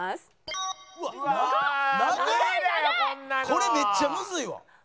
これめっちゃむずいわ！